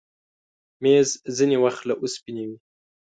مېز ځینې وخت له اوسپنې وي.